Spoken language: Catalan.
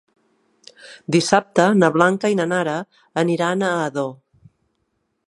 Dissabte na Blanca i na Nara aniran a Ador.